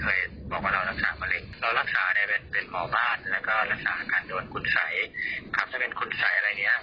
หมอได้เพราะว่าเรารักษาภรีแต่ว่าช่วงขนาดสถานการณ์ตอนนี้เนี่ย